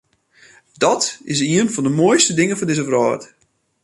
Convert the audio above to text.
Dat is ien fan de moaiste dingen fan dizze wrâld.